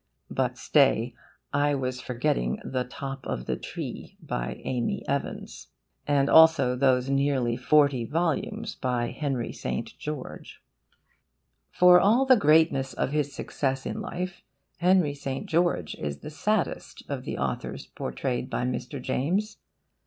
But stay, I was forgetting THE TOP OF THE TREE, by Amy Evans; and also those nearly forty volumes by Henry St. George. For all the greatness of his success in life, Henry St. George is the saddest of the authors portrayed by Mr. James.